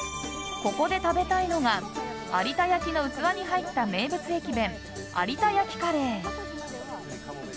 ここで食べたいのが有田焼の器に入った名物駅弁、有田焼カレー。